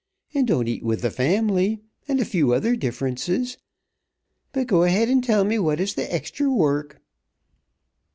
"And don't eat with th' family. And a few other differences. But go ahead and tell me what is th' extry worrk."